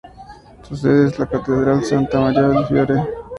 Su sede es la Catedral de Santa María del Fiore.